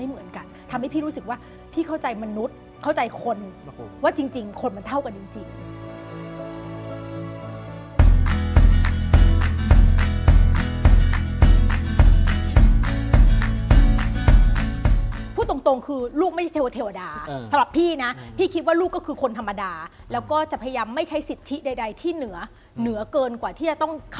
มันทำให้เรารู้สึกว่ามันจะต้องเบ้อะ